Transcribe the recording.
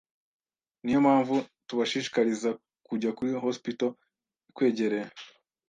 Niyo mpamvu tubashishikariza kujya kuri Hospital ikwegereye.